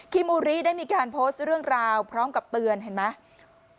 มูลริได้มีการโพสต์เรื่องราวพร้อมกับเตือนเห็นไหม